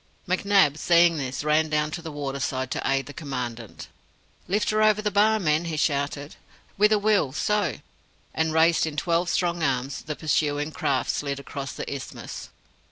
McNab, seeing this, ran down to the water side to aid the Commandant. "Lift her over the Bar, men!" he shouted. "With a will So!" And, raised in twelve strong arms, the pursuing craft slid across the isthmus.